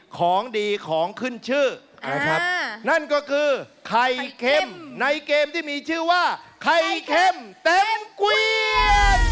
ของดีของขึ้นชื่อนะครับนั่นก็คือไข่เค็มในเกมที่มีชื่อว่าไข่เค็มเต็มเกวียน